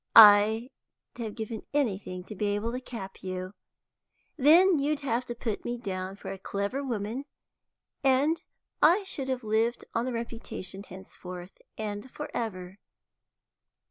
I'd have given anything to be able to cap you! Then you'd have put me down for a clever woman, and I should have lived on the reputation henceforth and for ever.